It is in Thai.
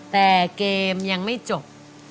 แต่เกมยังไม่จบ